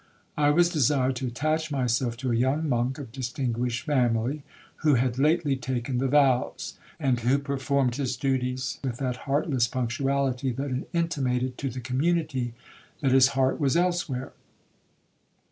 I was desired to attach myself to a young monk of distinguished family, who had lately taken the vows, and who performed his duties with that heartless punctuality that intimated to the community that his heart was elsewhere.